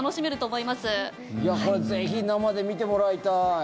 これぜひ生で見てもらいたい。